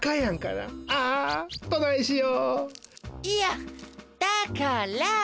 いやだから。